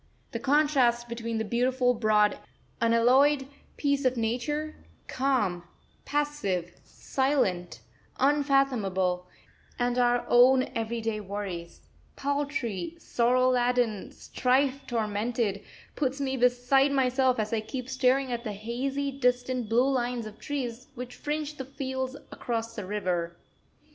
The contrast between the beautiful, broad, unalloyed peace of Nature calm, passive, silent, unfathomable, and our own everyday worries paltry, sorrow laden, strife tormented, puts me beside myself as I keep staring at the hazy, distant, blue line of trees which fringe the fields across the river.